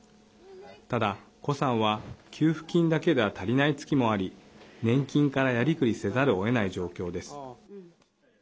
ただ、顧さんは給付金だけでは足りない月もあり年金からやりくりせざるをえない状況です。